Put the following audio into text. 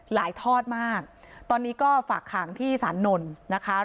หลายทอดมากตอนนี้ก็ฝากขังที่สาญนลนะคะ